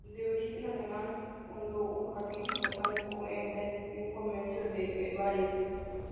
De origen alemán, fundó un jardín botánico en Bex, y un comercio de herbario.